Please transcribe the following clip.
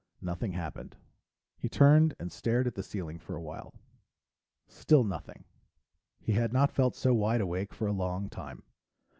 Nothing happened. He turned and stared at the ceiling for a while. Still nothing; he had not felt so wide awake for a long time.